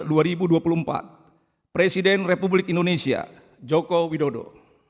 nomor dua puluh enam tni tahun dua ribu dua puluh empat presiden republik indonesia joko widodo